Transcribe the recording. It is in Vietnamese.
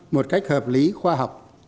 một cách hợp lý khoa học